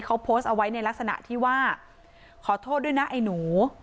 เขาโพสต์เอาไว้ในลักษณะที่ว่าขอโทษด้วยนะไอ้หนู